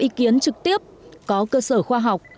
ý kiến trực tiếp có cơ sở khoa học